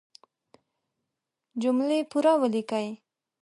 جملې پوره وليکئ!